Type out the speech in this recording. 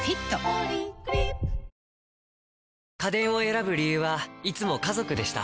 ポリグリップ家電を選ぶ理由はいつも家族でした。